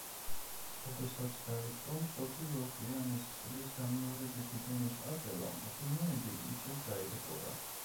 როდესაც დაიწყო მსოფლიო ოკეანის წყლის განმეორებითი დონის აწევა მღვიმეები ისევ დაიტბორა.